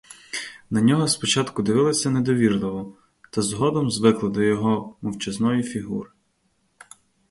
На нього спочатку дивилися недовірливо, та згодом звикли до його мовчазної фігури.